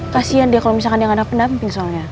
kasian dia kalo misalkan dia gak dapat damping soalnya